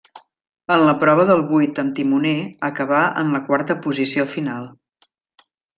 En la prova del vuit amb timoner acabà en la quarta posició final.